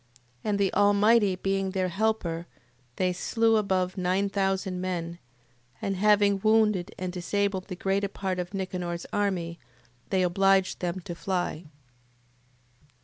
And the Almighty being their helper, they slew above nine thousand men: and having wounded and disabled the greater part of Nicanor's army, they obliged them to fly.